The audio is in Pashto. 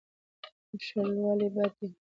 شلوالی بد دی.